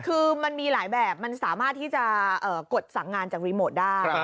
คือมันมีหลายแบบมันสามารถที่จะกดสั่งงานจากรีโมทได้